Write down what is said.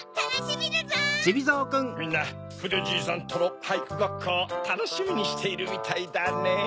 みんなふでじいさんとのはいくごっこをたのしみにしているみたいだねぇ。